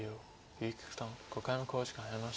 結城九段５回目の考慮時間に入りました。